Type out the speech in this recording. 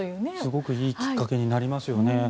すごくいいきっかけになりますよね。